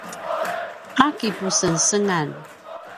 a kipusengsengan